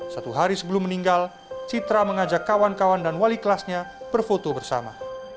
satu hari sebelum meninggal citra mengajak kawan kawan dan wali kelasnya berfoto bersama